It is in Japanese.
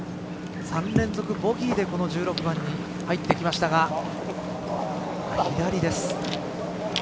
３連続ボギーでこの１６番に入ってきましたが左です。